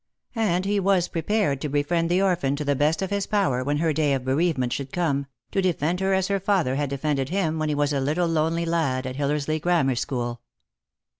And he was prepared to befriend the orphan to the best of his power when her day of bereavement should come, to defend her as her father had defended him when he was a little lonely lad at Hillersley Grammar school.